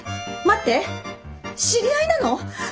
待って知り合いなの？